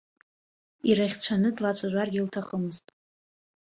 Ираӷьцәаны длацәажәаргьы лҭахымызт.